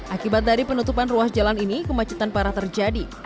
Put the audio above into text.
akibat dari penutupan ruas jalan ini kemacetan parah terjadi